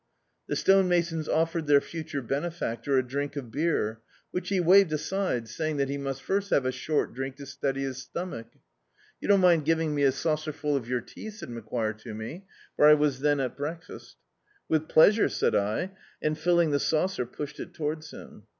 The stonemasons offered tlieir future benefactor a drink of beer, which he waved aside, saying that he must first have a short drink to steady his stomach. "You don't mind giving me a saucerful of your tea?" said Macquire to me, for I was then at breakfast "With pleasure," said I, and, filling the saucer pushed it towards him.